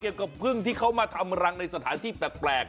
เกี่ยวกับพึ่งที่เขามาทำรังในสถานที่แปลก